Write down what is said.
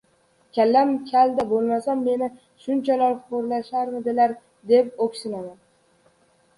Kallam kal-da, bo‘lmasa, meni shunchalik xo‘rlarmidilar, deya o‘ksinaman.